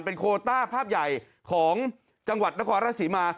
โคต้าภาพใหญ่ของจังหวัดนครราชศรีมา